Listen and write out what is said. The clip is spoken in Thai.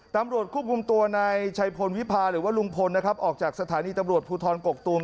ตำรวจควบคุมตัวนายชัยพลวิพาหรือว่าลุงพลนะครับออกจากสถานีตำรวจภูทรกกตูม